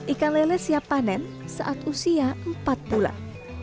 ikan lele siap panen saat usia empat bulan